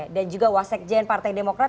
dan juga wasik jn partai demokrat